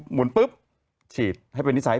หุ่นปุ๊บฉีดให้เป็นนิสัย